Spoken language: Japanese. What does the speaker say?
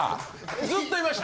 ずっといました。